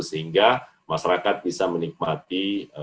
supaya masyarakat bisa menikmati